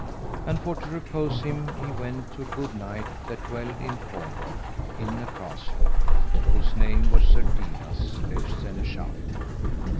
And for to repose him he went to a good knight that dwelled in Cornwall, in a castle, whose name was Sir Dinas le Seneschal.